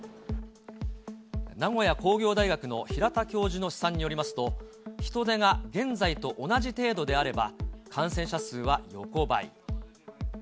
名古屋工業大学の平田教授の試算によりますと、人出が現在と同じ程度であれば、感染者数は横ばい。